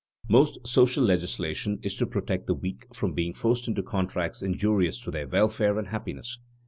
Most social legislation is to protect the weak from being forced into contracts injurious to their welfare and happiness.